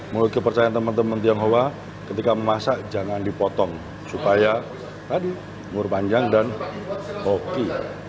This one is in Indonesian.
menurut kepercayaan teman teman tiang hoa ketika memasak jangan dipotong supaya berumur panjang dan hoki